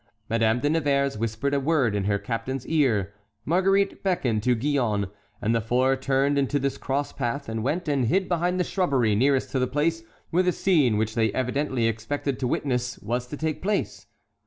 Madame de Nevers whispered a word in her captain's ear, Marguerite beckoned to Gillonne, and the four turned into this cross path and went and hid behind the shrubbery nearest to the place where the scene which they evidently expected to witness was to take place.